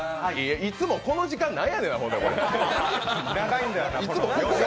いつもこの時間、なんやねん。